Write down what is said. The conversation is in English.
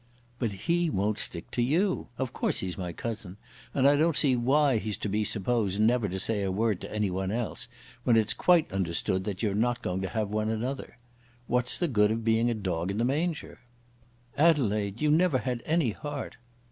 "But he won't stick to you. Of course he's my cousin, and I don't see why he's to be supposed never to say a word to anyone else, when it's quite understood that you're not going to have one another. What's the good of being a dog in the manger?" "Adelaide, you never had any heart!"